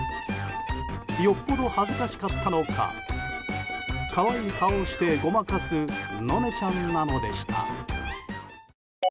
よっぽど恥ずかしかったのか可愛い顔をしてごまかすのねちゃんなのでした。